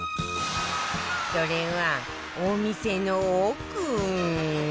それはお店の奥